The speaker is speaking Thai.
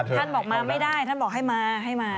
ท่านบอกมาไม่ได้ท่านบอกให้มาให้มา